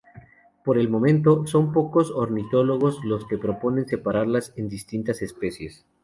Por el momento, son pocos ornitólogos los que proponen separarlas en distintas especies.